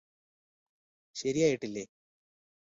ശരിയായിട്ടില്ലേ